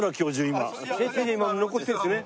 今も残ってるんですね？